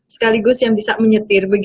sekaligus yang bisa menyetir